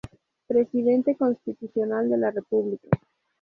Presidente Constitucional de la República.